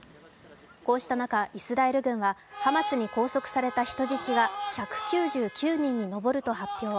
こうした中、イスラエル軍はハマスに拘束された人質が１９９人に上ると発表。